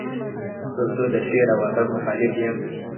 که زه د شعر و ادب مخالف یم.